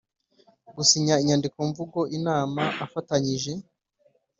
Gusinya inyandikomvugoz inama afatanyije